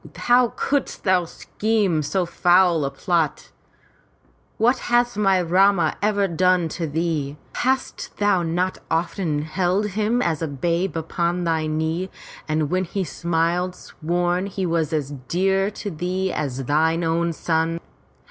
How couldst thou scheme so foul a plot? What has my Rama ever done to thee? Hast thou not often held him as a babe upon thy knee and when he smiled, sworn he was dear to thee as thine own son?